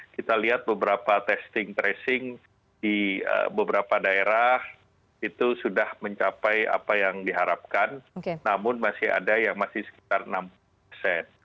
kita lihat beberapa testing tracing di beberapa daerah itu sudah mencapai apa yang diharapkan namun masih ada yang masih sekitar enam puluh persen